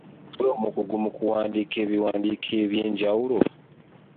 Ggwe omukugu mu kuwandiika ebiwandiiko eby’enjawulo.